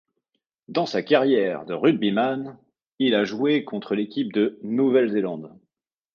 Dans sa carrière de rugbyman, il a joué contre l'équipe de Nouvelle-Zélande.